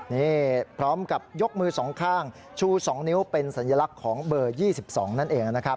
นี่พร้อมกับยกมือสองข้างชู๒นิ้วเป็นสัญลักษณ์ของเบอร์๒๒นั่นเองนะครับ